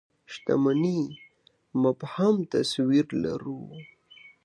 شتمنۍ مبهم تصوير لرو.